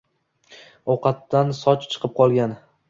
Ovqatdan soch chiqib qolgan